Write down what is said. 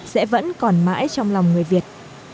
sẽ vẫn còn mãi trong lòng người việt